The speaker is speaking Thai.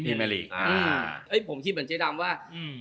ผมคิดเหมือนเจ๊ดำว่า